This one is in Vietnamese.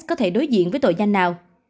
có thể đối diện với tội nhanh nào